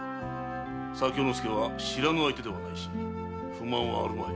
左京亮は知らぬ相手ではないし不満はあるまい？